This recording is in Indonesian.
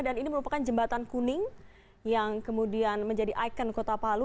dan ini merupakan jembatan kuning yang kemudian menjadi ikon kota palu